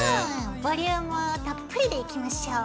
ボリュームたっぷりでいきましょう！